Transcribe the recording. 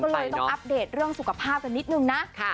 ก็เลยต้องอัปเดตเรื่องสุขภาพกันนิดนึงนะ